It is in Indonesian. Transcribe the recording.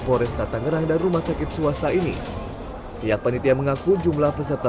flores tangerang dan rumah sakit swasta ini tiap penelitian mengaku jumlah peserta